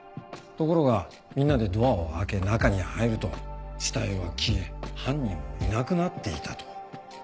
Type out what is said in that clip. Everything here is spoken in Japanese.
ところがみんなでドアを開け中に入ると死体は消え犯人もいなくなっていたと。